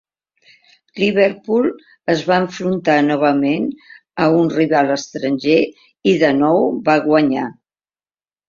Liverpool es va enfrontar novament a un rival estranger, i de nou va guanyar.